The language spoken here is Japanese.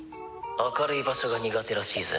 「明るい場所が苦手らしいぜ。